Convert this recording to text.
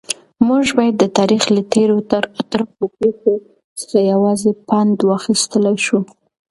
موږ باید د تاریخ له تېرو ترخو پیښو څخه یوازې پند واخیستلای شو.